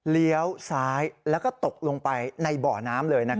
เลี้ยวซ้ายแล้วก็ตกลงไปในบ่อน้ำเลย